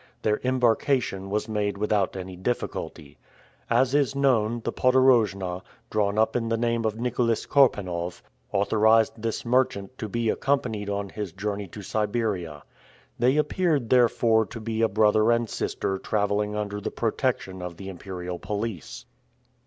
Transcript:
Their embarkation was made without any difficulty. As is known, the podorojna, drawn up in the name of Nicholas Korpanoff, authorized this merchant to be accompanied on his journey to Siberia. They appeared, therefore, to be a brother and sister traveling under the protection of the imperial police.